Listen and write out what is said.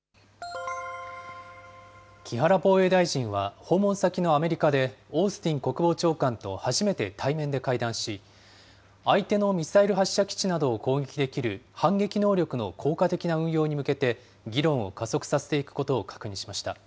木原防衛大臣は、訪問先のアメリカで、オースティン国防長官と初めて対面で会談し、相手のミサイル発射基地などを攻撃できる、反撃能力の効果的な運用に向けて、議論を加速させていくことを確認しました。